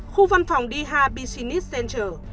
khu văn phòng đi hà business center